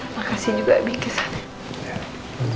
makasih juga bikas